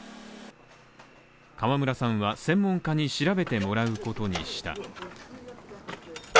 河村さんは専門家に調べてもらうことにした。